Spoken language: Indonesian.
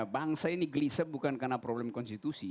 bangsa ini gelisah bukan karena problem konstitusi